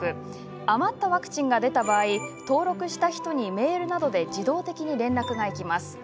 余ったワクチンが出た場合登録した人にメールなどで自動的に連絡がいきます。